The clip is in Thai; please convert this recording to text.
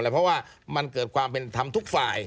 เพราะว่ามันเกิดความเป็นธรรมทุกฝ่าย